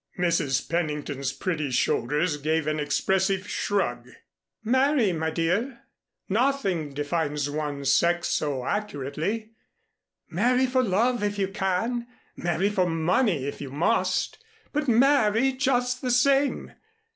Mrs. Pennington's pretty shoulders gave an expressive shrug. "Marry, my dear. Nothing defines one's sex so accurately. Marry for love if you can, marry for money if you must, but marry just the same.